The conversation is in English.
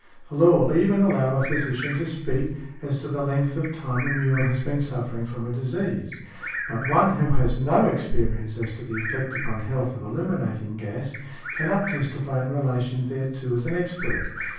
The law will even allow a physician to speak as to the length of time a mule has been suffering from a disease . But one who has had no experience as to the effect upon health of illuminating gas cannot testify in relation thereto as an expert .